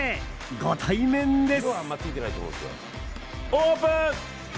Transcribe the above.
ご対面です。